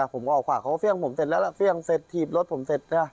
ผมก็ออกขวาเขาก็เฟี่ยงผมเสร็จแล้วเฟี่ยงเสร็จถีบรถผมเสร็จ